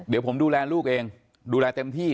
เดี๋ยวผมดูแลลูกเองดูแลเต็มที่